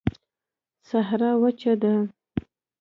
صحرا وچه ده